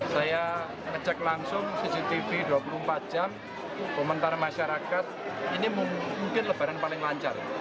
saya ngecek langsung cctv dua puluh empat jam komentar masyarakat ini mungkin lebaran paling lancar